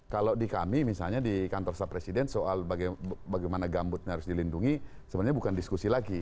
kalau di kami misalnya di kantor sapresiden soal bagaimana gambutnya harus dilindungi sebenarnya bukan diskusi lagi